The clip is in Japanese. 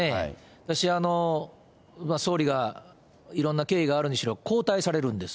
私、総理がいろんな経緯があるにしろ、交代されるんです。